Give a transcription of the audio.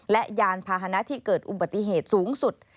และยานพาหนะที่เกิดอุบัติเหตุสูงสุด